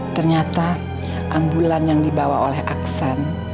ternyata ambulan yang dibawa oleh aksan